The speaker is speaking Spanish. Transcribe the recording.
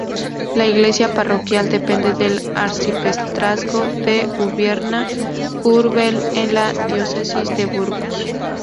La Iglesia parroquial depende del Arcipestrazgo de Ubierna-Úrbel, en la diócesis de Burgos.